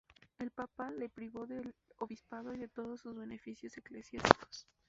El papa le privó del obispado y de todos sus beneficios eclesiásticos.